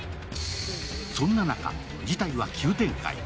そんな中、事態は急展開。